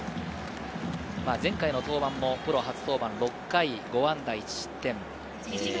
前回の登板もプロ初登板、６回５安打１失点。